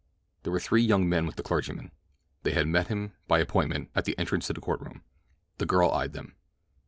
There were three young men with the clergyman. They had met him, by appointment, at the entrance to the courtroom. The girl eyed them.